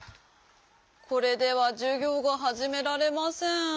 これではじゅぎょうがはじめられません。